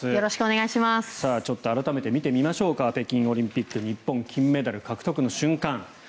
ちょっと改めて見てみましょうか北京オリンピック日本が金メダル獲得の瞬間。